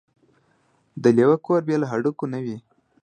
د لېوه کور بې له هډوکو نه وي.